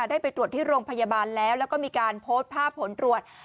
ได้ไปตรวจที่โรงพยาบาลแล้วแล้วก็มีการโพสต์ภาพผลตรวจ